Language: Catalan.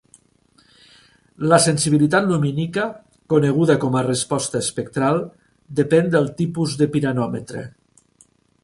La sensibilitat lumínica, coneguda com a "resposta espectral", depèn del tipus de piranòmetre.